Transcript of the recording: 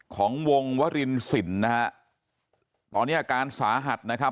ของวงวรินสินนะฮะตอนนี้อาการสาหัสนะครับ